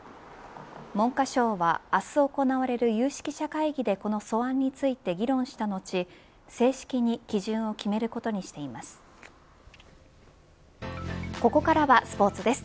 文科省は明日行われる有識者会議でこの素案について議論した後正式に基準を決めることにしています